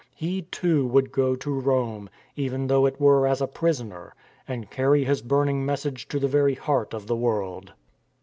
He, too, would go to Rome, even though it were as a prisoner; and carry his burning message to the very heart of the world.